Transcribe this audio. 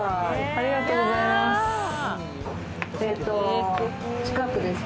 ありがとうございます。